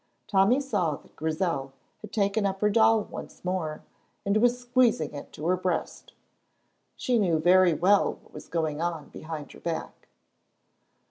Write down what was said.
Tommy saw that Grizel had taken up her doll once more and was squeezing it to her breast. She knew very well what was going on behind her back.